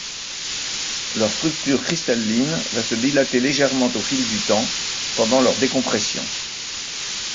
Leur structure cristalline va se dilater légèrement au fil du temps, pendant leur décompression.